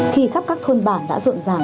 khi khắp các thôn bản đã ruộng ràng